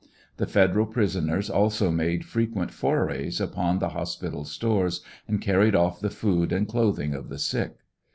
The Federal prisoners also made frequent forays upon the hospital stores and carried off the food and clothing of the sick.